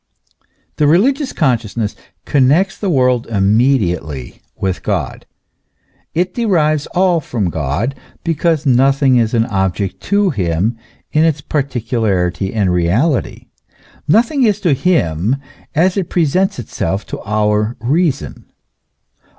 The religious con sciousness connects the world immediately with God ; it derives all from God, because nothing is an object to him in its par ticularity and reality, nothing is to him as it presents itself to our reason.